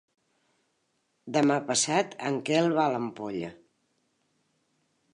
Demà passat en Quel va a l'Ampolla.